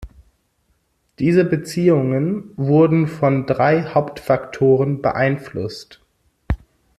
Diese Beziehungen wurden von drei Hauptfaktoren beeinflusst.